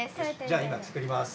じゃ今作ります！